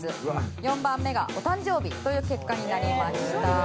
４番目がお誕生日という結果になりました。